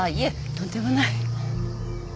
とんでもない。